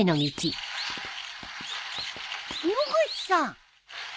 野口さん。